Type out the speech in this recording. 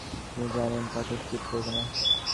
তিনি জানেন পাঠক চুপ করবে না।